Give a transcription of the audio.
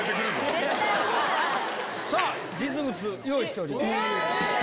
さあ、実物用意しております。